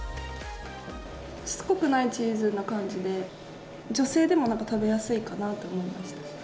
しつこくないチーズな感じで、女性でもなんか食べやすいかなと思いました。